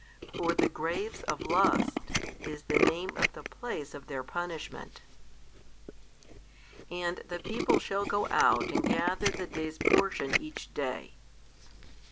For the graves of lust is the name of the place of their punishment. And the people shall go out and gather the day's portion each day.